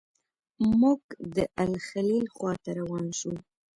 موږ د الخلیل خواته روان شوو.